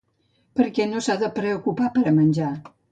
Per què no s'ha de preocupar per a menjar?